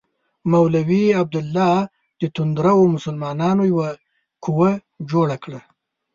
مولوي عبیدالله د توندرو مسلمانانو یوه قوه جوړه کړه.